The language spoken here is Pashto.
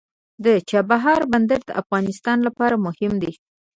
د چابهار بندر د افغانستان لپاره مهم دی.